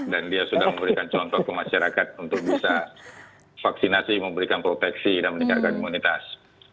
dan dia sudah memberikan contoh ke masyarakat untuk bisa vaksinasi memberikan proteksi dan meningkatkan komunitas